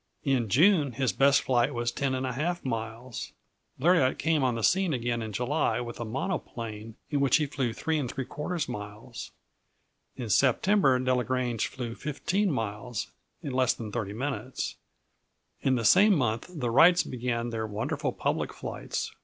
In June his best flight was 10½ miles. Bleriot came on the scene again in July with a monoplane, in which he flew 3¾ miles. In September, Delagrange flew 15 miles in less than 30 minutes. In the same month the Wrights began their wonderful public flights.